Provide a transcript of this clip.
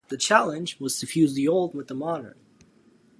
The challenge was to fuse the old with the modern.